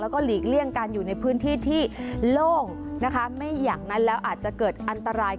แล้วก็หลีกเลี่ยงการอยู่ในพื้นที่ที่โล่งนะคะไม่อย่างนั้นแล้วอาจจะเกิดอันตราย